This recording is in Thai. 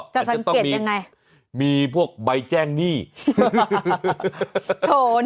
สังเกตยังไงมีพวกใบแจ้งหนี้